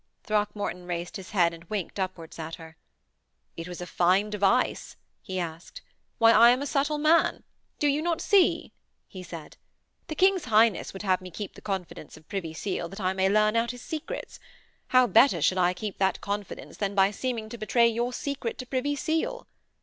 Throckmorton raised his head, and winked upwards at her. 'It was a fine device?' he asked. 'Why, I am a subtle man.... Do you not see?' he said. 'The King's Highness would have me keep the confidence of Privy Seal that I may learn out his secrets. How better should I keep that confidence than by seeming to betray your secret to Privy Seal?